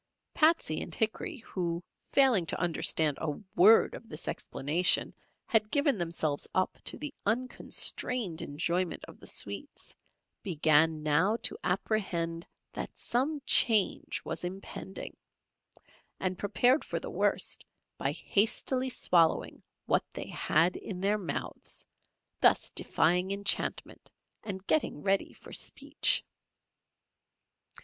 Patsey and Hickory, who, failing to understand a word of this explanation, had given themselves up to the unconstrained enjoyment of the sweets, began now to apprehend that some change was impending, and prepared for the worst by hastily swallowing what they had in their mouths, thus defying enchantment, and getting ready for speech.